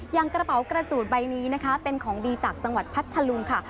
อย่างกระเป๋ากระจูดใบนี้นะคะเป็นของดีจากจังหวัดพัทธลุงค่ะ